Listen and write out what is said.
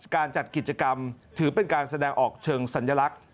การจัดกิจกรรมถือเป็นการแสดงออกเชิงสัญลักษณ์